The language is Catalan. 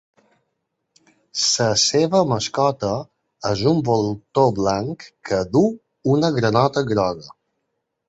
La seva mascota és un voltor blanc que duu una granota groga.